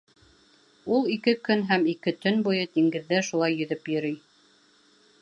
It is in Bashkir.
Ул ике көн һәм ике төн буйы диңгеҙҙә шулай йөҙөп йөрөй.